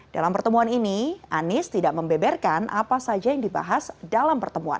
dalam pertemuan ini anies tidak membeberkan apa saja yang dibahas dalam pertemuan